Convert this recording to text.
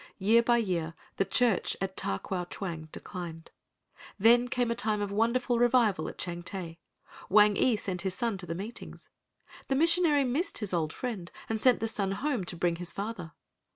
Year by year the church at Ta kwau chwang declined. Then came a time of wonderful revival at Changte. Wang ee sent his son to the meetings. The missionary missed his old friend and sent the son home to bring his father.